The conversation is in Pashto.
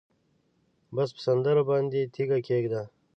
بس په سندرو باندې تیږه کېږده